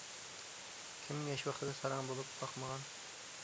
كىم ياش ۋاقتىدا ساراڭ بولۇپ باقمىغان.